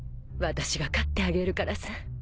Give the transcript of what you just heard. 私が飼ってあげるからさ。